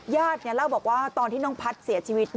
ญาติเล่าบอกว่าตอนที่น้องพัฒน์เสียชีวิต